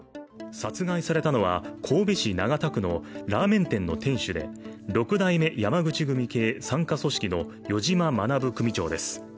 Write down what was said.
殺害されたのは神戸市長田区のラーメン店の店主で六代目山口組系傘下組織の余嶋学組長です。